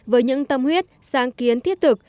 với những tâm huyết sáng kiến thiết thực